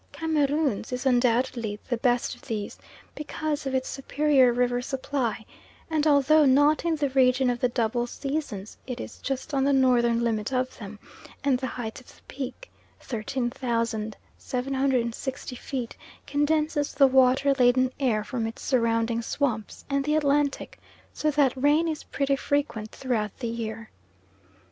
Cameroons is undoubtedly the best of these, because of its superior river supply, and although not in the region of the double seasons it is just on the northern limit of them, and the height of the Peak 13,760 feet condenses the water laden air from its surrounding swamps and the Atlantic, so that rain is pretty frequent throughout the year.